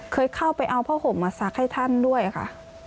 เคยเข้าไปเอาผ้าห่มมาซักให้ท่านด้วยค่ะ